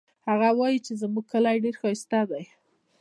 هغه وایي چې زموږ کلی ډېر ښایسته ده